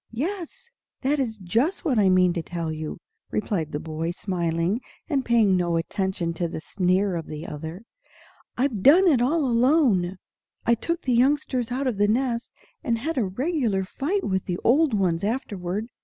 "Yes, that is just what I mean to tell you," replied the boy, smiling, and paying no attention to the sneer of the other. "I've done it all alone. I took the youngsters out of the nest, and had a regular fight with the old ones afterward.